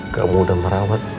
kamu udah merawat